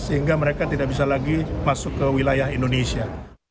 sehingga mereka tidak bisa lagi masuk ke wilayah indonesia